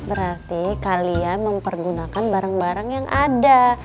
berarti kalian mempergunakan barang barang yang ada